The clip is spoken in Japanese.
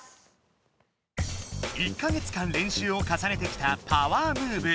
１か月間れんしゅうをかさねてきたパワームーブ。